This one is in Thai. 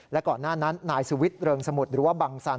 และก่อนหน้านั้นนายสุวิทย์เริงสมุทรหรือว่าบังสัน